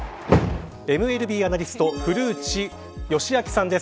ＭＬＢアナリスト古内義明さんです。